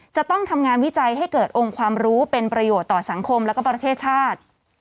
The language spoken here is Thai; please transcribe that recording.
จะต้องทำงานวิจัยให้เกิดองค์ความรู้เป็นประโยชน์ต่อสังคมและประเทศชาติ